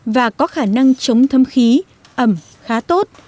và có khả năng chống thâm khí ẩm khá tốt